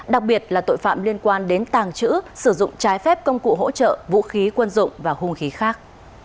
đặc biệt là tội phạm liên quan đến tàng trữ sử dụng trái phép công cụ hỗ trợ vũ khí quân dụng và hung khí khác